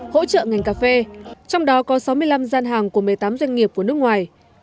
hỗ trợ ngành cà phê trong đó có sáu mươi năm gian hàng của một mươi tám doanh nghiệp của nước ngoài